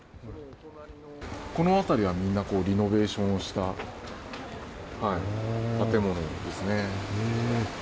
この辺りはみんな、リノベーションをした建物ですね。